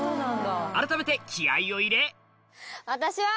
改めて気合を入れ私は。